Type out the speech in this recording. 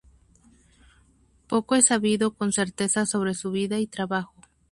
Poco es sabido con certeza sobre su vida y trabajo.